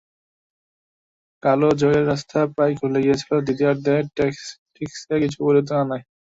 কালও জয়ের রাস্তা প্রায় খুলে গিয়েছিল দ্বিতীয়ার্ধে ট্যাকটিকসে কিছুটা পরিবর্তন আনায়।